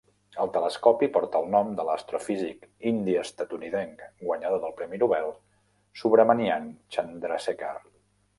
El telescopi porta el nom de l'astrofísic indi-estatunidenc, guanyador del Premi Nobel, Subrahmanyan Chandrasekhar.